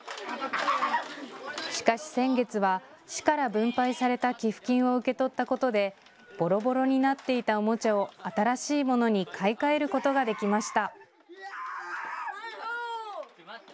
しかし先月は市から分配された寄付金を受け取ったことでぼろぼろになっていたおもちゃを新しいものに買い替えることができました。